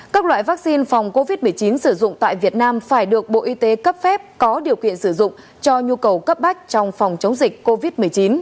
các loại vaccine phòng covid một mươi chín sử dụng tại việt nam phải được bộ y tế cấp phép có điều kiện sử dụng cho nhu cầu cấp bách trong phòng chống dịch covid một mươi chín